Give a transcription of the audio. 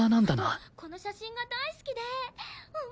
この写真が大好きで思わず。